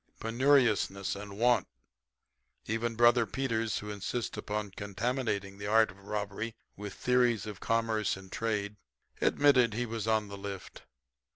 Penuriousness and want. Even Brother Peters, who insists upon contaminating the art of robbery with theories of commerce and trade, admitted he was on the lift.